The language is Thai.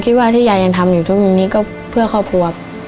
ที่ว่าที่ยายยังทำอยู่ทุกวันนี้ก็เพื่อครอบครัว